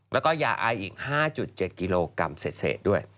แล้วก็ยาไออีก๕๗กิโลกรัมเศษด้วย